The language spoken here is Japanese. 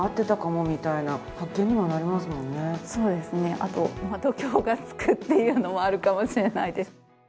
あと度胸がつくっていうのもあるかもしれないです。